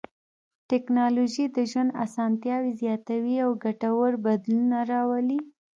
ټکنالوژي د ژوند اسانتیاوې زیاتوي او ګټور بدلونونه راولي.